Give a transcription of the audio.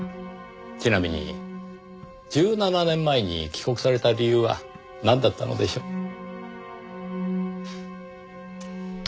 ちなみに１７年前に帰国された理由はなんだったのでしょう？